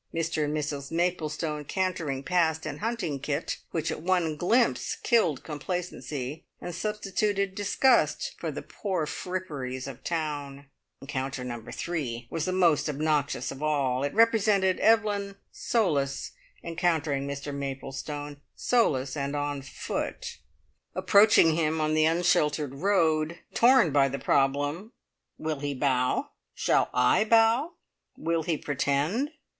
Mr and Mrs Maplestone cantering past in hunting kit, which at one glimpse killed complacency and substituted disgust for the poor fripperies of town. Encounter number three was most obnoxious of all. It represented Evelyn solus encountering Mr Maplestone solus and on foot. Approaching him on the unsheltered road, torn by the problem, "Will he bow? Shall I bow? Will he pretend?